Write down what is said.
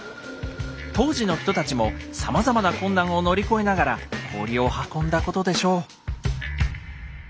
当時の人たちもさまざまな困難を乗り越えながら氷を運んだことでしょう。